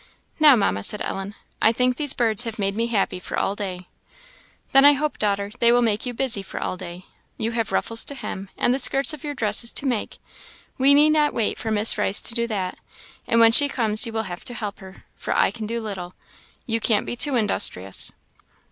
"Now, Mamma," said Ellen, "I think these birds have made me happy for all day." "Then I hope, daughter, they will make you busy for all day. You have ruffles to hem, and the skirts of your dresses to make we need not wait for Miss Rice to do that; and when she comes, you will have to help her, for I can do little. You can't be too industrious."